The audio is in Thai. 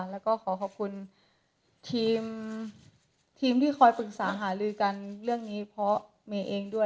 แล้วก็ขอขอบคุณทีมที่คอยปรึกษาหาลือกันเรื่องนี้เพราะเมย์เองด้วย